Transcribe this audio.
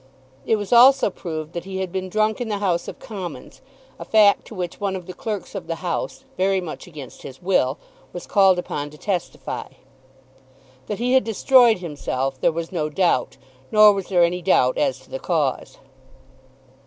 It was also proved that he had been drunk in the House of Commons, a fact to which one of the clerks of the House, very much against his will, was called upon to testify. That he had destroyed himself there was no doubt, nor was there any doubt as to the cause.